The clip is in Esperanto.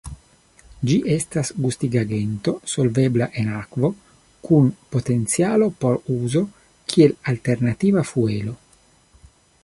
Ĝi estas gustigagento solvebla en akvo kun potencialo por uzo kiel alternativa fuelo.